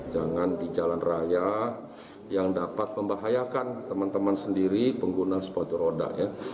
jangan di jalan raya yang dapat membahayakan teman teman sendiri pengguna sepatu roda ya